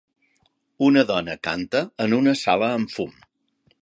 Una dona canta en una sala amb fum.